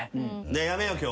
やめよう今日。